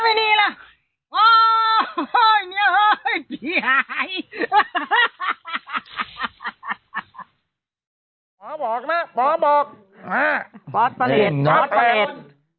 หมอบอกนะหมอบอกน่ะพอตอโนต๕๘มาร์ทต้องเอาจากมีนาต